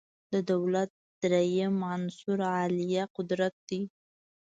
د دولت دریم عنصر عالیه قدرت